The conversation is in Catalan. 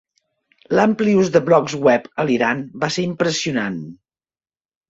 L'ampli ús de blogs web a l'Iran, va ser impressionant.